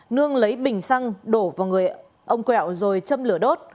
nương lấy bình xăng đổ vào người ông quẹo rồi châm lửa đốt